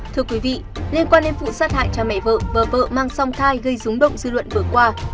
thưa quý vị liên quan đến vụ sát hại cha mẹ vợ và vợ mang song thai gây rúng động dư luận vừa qua